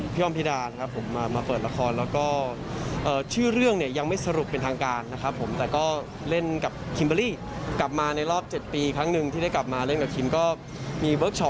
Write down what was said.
พี่ออมพิธีดานะครับผมมาเปิดละครแล้วก็